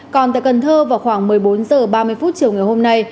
còn tại cần thơ vào khoảng một mươi bốn h ba mươi chiều ngày hôm nay